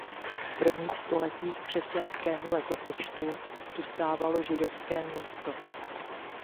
V prvních stoletích křesťanského letopočtu tu stávalo židovské město.